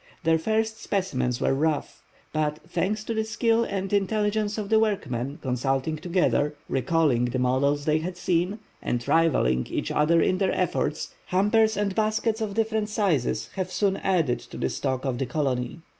Their first specimens were rough; but, thanks to the skill and intelligence of the workmen consulting together, recalling the models they had seen, and rivalling each other in their efforts, hampers and baskets of different sizes here soon added to the stock of the colony.